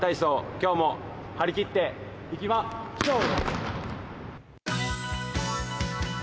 今日も張り切っていきましょう！